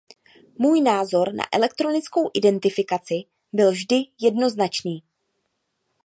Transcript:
Můj názor na elektronickou identifikaci byl vždy jednoznačný.